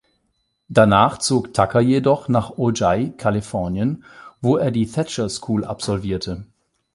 Danach zog Tucker jedoch nach Ojai, Kalifornien, wo er die "Thacher School" absolvierte.